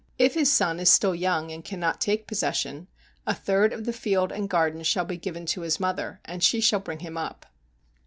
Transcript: If his son is still young, and cannot take possession, a third of the field and garden shall be given to his mother, and she shall bring him up.